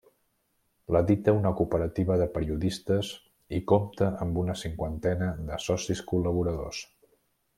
L'edita una cooperativa de periodistes i compta amb una cinquantena de socis col·laboradors.